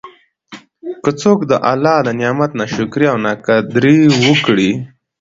که څوک د الله د نعمت نا شکري او نا قدري وکړي